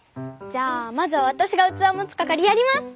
じゃあまずはわたしがうつわもつかかりやります！